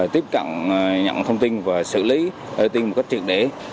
tiếp cận nhận thông tin và xử lý tiền một cách truyền để